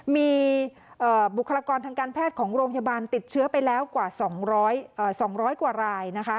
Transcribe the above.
มีบุคลากรทางการแพทย์ของโรงพยาบาลติดเชื้อไปแล้วกว่า๒๐๐กว่ารายนะคะ